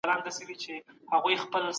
د انسان حقونه باید تر پښو لاندي نه سي.